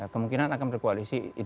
kemungkinan akan berkoalisi